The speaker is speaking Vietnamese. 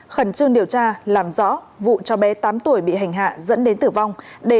khẩn trương điều tra làm rõ vụ cho bé tám tuổi bị hành hạ dẫn đến tử vong